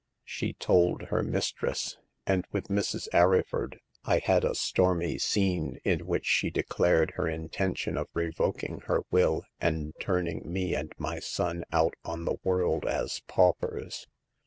She told her mistress, and with Mrs. Arryford I had a stormy scene, in which she declared her intention of revoking her will and turning me and my son out on the world as paupers.